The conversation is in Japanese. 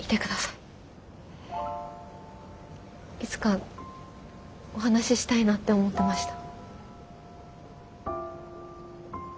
いつかお話ししたいなって思ってました。